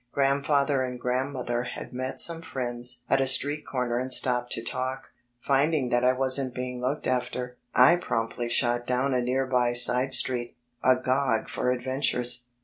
Grand father and Grandmother had met some friends at a street comer and stopped to talk. Finding that I wasn't being looked afrcr, I prompdy shot down a near by side street, agog for adventures.